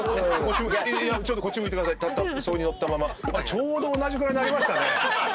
ちょうど同じぐらいになりましたね。